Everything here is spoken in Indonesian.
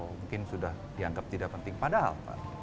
mungkin sudah dianggap tidak penting padahal